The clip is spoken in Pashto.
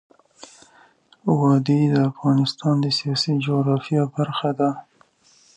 وادي د افغانستان د سیاسي جغرافیه برخه ده.